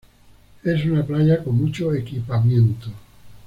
Es una playa con mucho equipamiento.